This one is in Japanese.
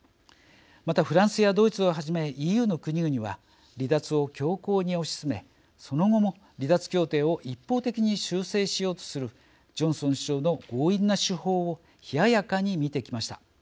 また、フランスやドイツをはじめＥＵの国々は離脱を強硬に推し進めその後も離脱協定を一方的に修正しようとするジョンソン首相の強引な手法を冷ややかに見てきました。